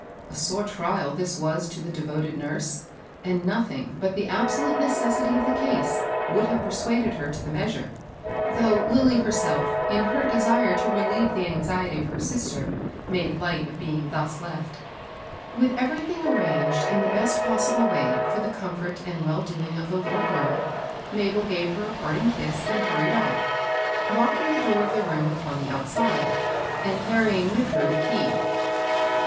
A sore trial this was to the devoted nurse, and nothing but the absolute necessity of the case would have persuaded her to the measure ; though LiUy herself, in her desire to relieve the anxiety of her sister, made light of being thus left. With everything arranged in the best possible way for the comfort and well doing of the little girl, Mabel gave her a parting kiss, and hurried off, locking the door of the room upon the outside, and carrying with her the key. 850 MABEL BOSS.